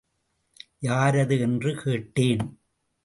யாரது? என்று கேட்டேன்.